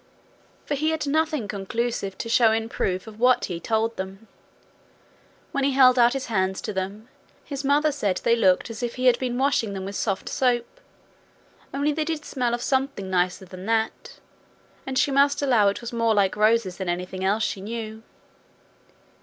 For he had nothing conclusive to show in proof of what he told them. When he held out his hands to them, his mother said they looked as if he had been washing them with soft soap, only they did smell of something nicer than that, and she must allow it was more like roses than anything else she knew.